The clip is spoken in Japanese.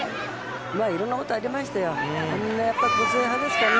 いろんなことありましたよ。